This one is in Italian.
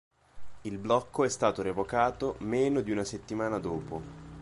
Il blocco è stato revocato meno di una settimana dopo.